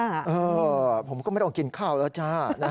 เออผมก็ไม่ต้องกินข้าวแล้วจ้า